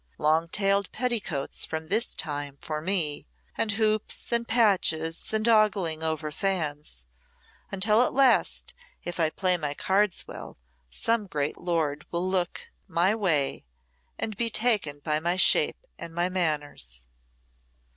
Long tailed petticoats from this time for me, and hoops and patches, and ogling over fans until at last, if I play my cards well, some great lord will look my way and be taken by my shape and my manners."